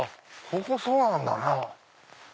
ここそうなんだな。